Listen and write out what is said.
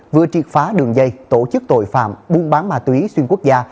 vừa triệt phá đường dây tổ chức tội phạm buôn bán ma túy xuyên quốc gia